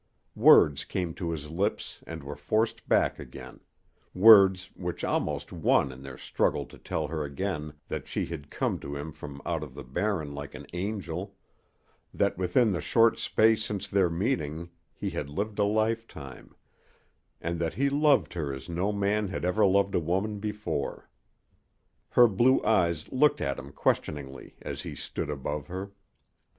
Words came to his lips and were forced back again words which almost won in their struggle to tell her again that she had come to him from out of the Barren like an angel, that within the short space since their meeting he had lived a lifetime, and that he loved her as no man had ever loved a woman before. Her blue eyes looked at him questioningly as he stood above her.